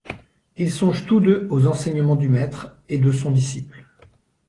Ils songent tous deux aux enseignements du maître et de son disciple.